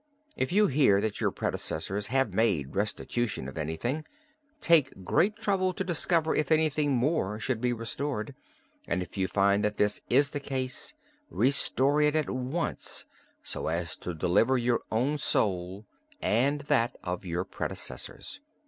If you hear that your predecessors have made restitution of anything, take great trouble to discover if anything more should be restored, and if you find that this is the case, restore it at once so as to deliver your own soul and that of your predecessors."